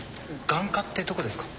眼科ってどこですか？